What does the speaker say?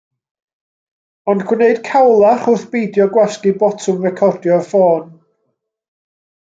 Ond gwneud cawlach wrth beidio gwasgu botwm recordio'r ffôn.